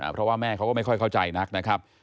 เพราะว่าแม่เขาก็ไม่ค่อยเข้าใจนักนะครับ